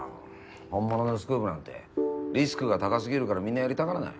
本物のスクープなんてリスクが高すぎるからみんなやりたがらない。